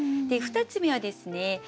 ２つ目はですね